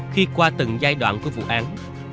khi qua từng giai đoạn của vụ án